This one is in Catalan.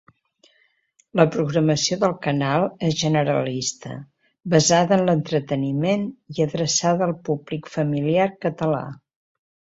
La programació del canal és generalista basada en l'entreteniment i adreçada al públic familiar català.